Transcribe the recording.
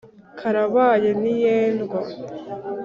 Karabaye ntiyendwa.